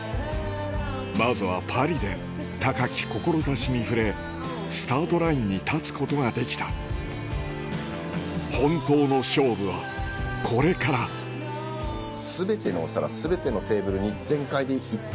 まずはパリで高き志に触れスタートラインに立つことができた本当の勝負はこれから志が。